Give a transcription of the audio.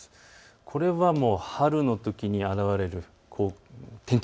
これはもう春のときに現れる天気。